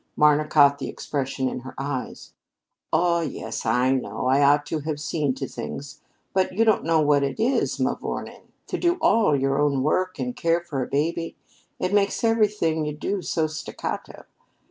Marna caught the expression in her eyes. "Oh, yes, I know I ought to have seen to things, but you don't know what it is, mavourneen, to do all your own work and care for a baby. It makes everything you do so staccato!